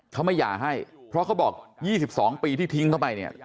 เขาไม่หย่าให้เพราะเขาบอก๒๒ปีที่ทิ้งเข้าไปเนี่ย